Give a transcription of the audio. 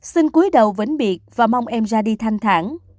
xin cuối đầu bến biệt và mong em ra đi thanh thản